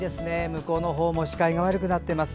向こうのほうも視界が悪くなってます。